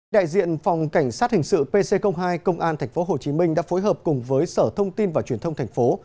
đại diện phòng cảnh sát hình sự pc hai công an tp hcm đã phối hợp cùng với sở thông tin và truyền thông thành phố